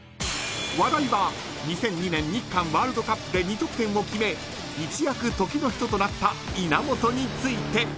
［話題は２００２年日韓ワールドカップで２得点を決め一躍時の人となった稲本について］